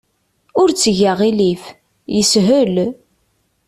Ur tteg aɣilif. Yeshel.